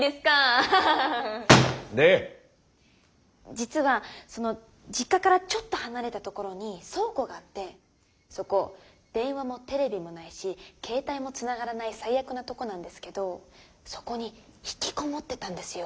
実はその実家からちょっと離れた所に倉庫があってそこ電話もテレビもないし携帯もつながらない最悪なとこなんですけどそこに引きこもってたんですよー。